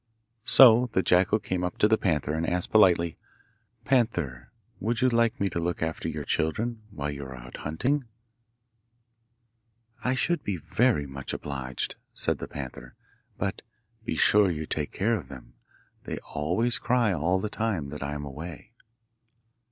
So the jackal came up to the panther, and asked politely, 'Panther, would you like me to look after your children while you are out hunting?' 'I should be very much obliged,' said the panther; 'but be sure you take care of them. They always cry all the time that I am away.